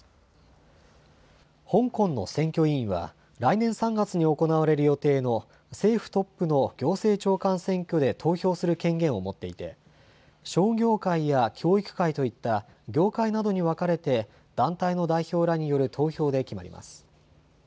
香港の選挙委員は、来年３月に行われる予定の政府トップの行政長官選挙で投票する権限を持っていて、商業界や教育界といった業界などに分かれて団体の代表らによる投票で決まります。